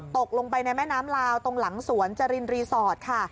ตกลงไปในแม่น้ำลาวตรงหลังสวนจรินรีสอร์ทค่ะ